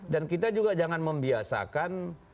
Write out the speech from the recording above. dan kita juga jangan membiasakan